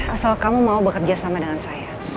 asal kamu mau bekerja sama dengan saya